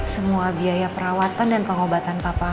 semua biaya perawatan dan pengobatan papan